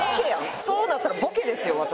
そうだったらボケですよ私。